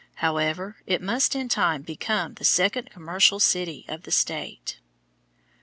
However, it must in time become the second commercial city of the state.